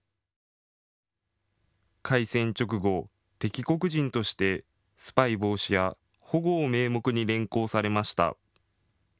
開戦直後、敵国人としてスパイ防止や保護を名目に連行されました。